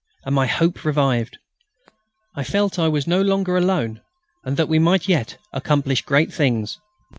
and my hope revived. I felt I was no longer alone, and that we might yet accomplish great things.